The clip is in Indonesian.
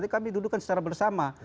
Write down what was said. tapi kami dudukan secara bersama